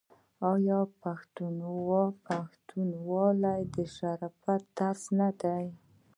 آیا پښتونولي د شرافت درس نه دی؟